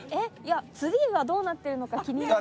ツリーはどうなってるのか気になる。